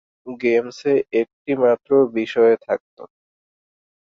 গেমসে একটিমাত্র বিষয় থাকতো।